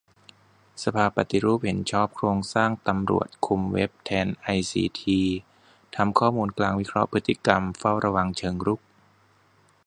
สภาปฏิรูปเห็นชอบปรับโครงสร้างตำรวจคุมเว็บแทนไอซีที ทำข้อมูลกลางวิเคราะห์พฤติกรรมเฝ้าระวังเชิงรุก